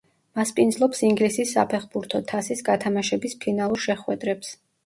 მასპინძლობს ინგლისის საფეხბურთო თასის გათამაშების ფინალურ შეხვედრებს.